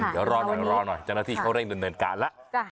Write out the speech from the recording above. เดี๋ยวรอหน่อยเจ้าหน้าที่เข้าเร่งเดินกะละ